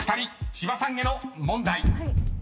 千葉さんへの問題］